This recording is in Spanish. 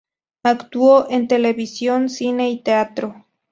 Actuó en televisión, cine y teatro.